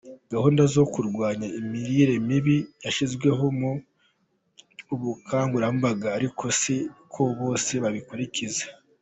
Gahunda zo kurwanya imirire mibi yashyizwemo ubukangurambaga, ari ko si ko bose babikurikiza.